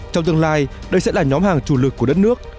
trong tương lai đây sẽ là nhóm hàng chủ lực của đất nước